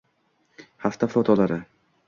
Hafta fotolari